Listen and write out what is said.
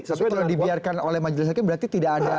setelah dibiarkan oleh majelis hakim berarti tidak ada